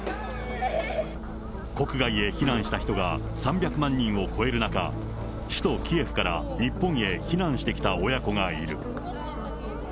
国外へ避難した人が３００万人を超える中、首都キエフから日本へ避難してきた親子がいる。